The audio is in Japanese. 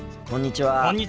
こんにちは。